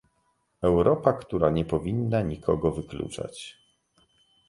Europa, która nie powinna nikogo wykluczać